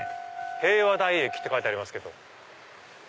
「平和台駅」って書いてありますけど。